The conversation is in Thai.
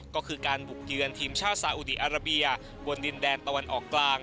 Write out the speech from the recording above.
ก็คือการบุกเยือนทีมชาติสาอุดีอาราเบียบนดินแดนตะวันออกกลาง